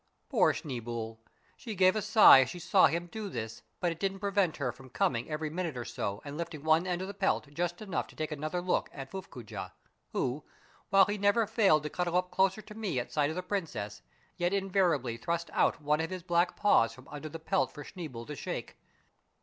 Poor Schneeboule ! she gave a sigh as she saw him do this, but it didn't prevent her from coming every minute or so and lifting one end of the pelt just enough to take another look at Fuffcoojah, who, while he never failed to cuddle up closer to me at sight of the princess, yet invariably thrust out one of his black paws from under the pelt for Schneeboule to shake.